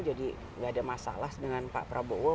jadi gak ada masalah dengan pak prabowo